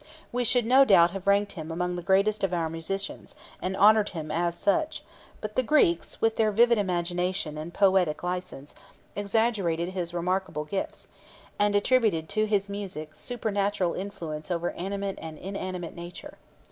We should no doubt have ranked him among the greatest of our musicians, and honoured him as such; but the Greeks, with their vivid imagination and poetic license, exaggerated his remarkable gifts, and attributed to his music supernatural influence over animate and inanimate nature.